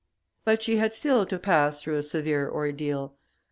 But she had still to pass through a severe ordeal.